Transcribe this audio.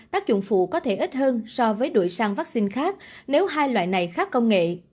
tác dụng phụ có thể ít hơn so với đuổi sang vaccine khác nếu hai loại này khác công nghệ